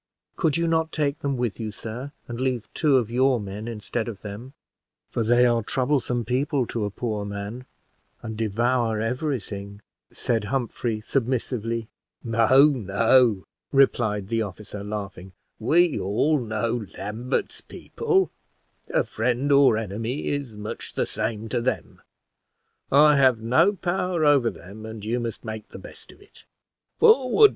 "Could you not take them with you, sir, and leave two of your men instead of them; for they are troublesome people to a poor man, and devour every thing?" said Humphrey, submissively. "No, no," replied the officer, laughing, "we all know Lambert's people a friend or enemy is much the same to them. I have no power over them, and you must make the best of it. Forward!